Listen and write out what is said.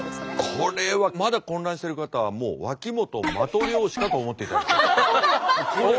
これはまだ混乱している方はもう脇本マトリョーシカと思っていただければ。